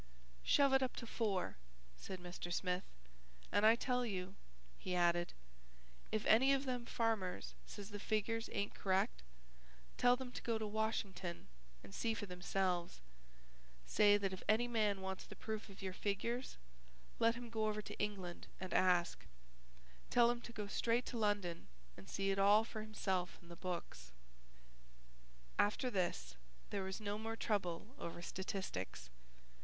"Shove it up to four," said Mr. Smith: "And I tell you," he added, "if any of them farmers says the figures ain't correct, tell them to go to Washington and see for themselves; say that if any man wants the proof of your figures let him go over to England and ask, tell him to go straight to London and see it all for himself in the books." After this, there was no more trouble over statistics.